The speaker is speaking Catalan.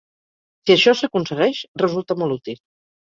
Si això s'aconsegueix, resulta molt útil.